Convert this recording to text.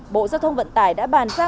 bộ giao thông vận tải đã bàn ra